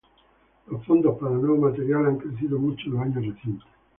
Los fondos para nuevo material han crecido mucho en los años recientes.